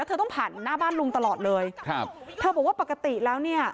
เธอบอกว่าปกติแล้ว